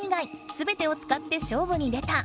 すべてをつかって勝負に出た。